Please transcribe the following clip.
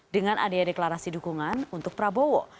dengan adanya deklarasi dukungan untuk prabowo